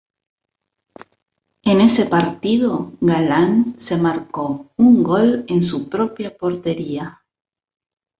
En ese partido, Galán se marcó un gol en su propia portería.